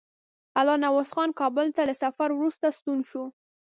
الله نواز خان کابل ته له سفر وروسته ستون شو.